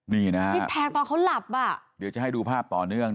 นี่นะฮะนี่แทงตอนเขาหลับอ่ะเดี๋ยวจะให้ดูภาพเหตุการณ์นี้นะฮะ